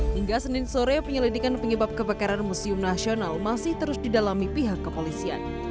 hingga senin sore penyelidikan penyebab kebakaran museum nasional masih terus didalami pihak kepolisian